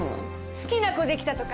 好きな子できたとか？